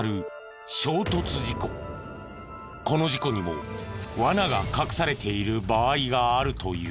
この事故にもワナが隠されている場合があるという。